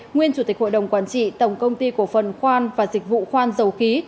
nguyên chủ tịch hội đồng quản trị tổng công ty cổ phần khoan và dịch vụ khoan dầu khí